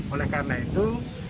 oleh karena itu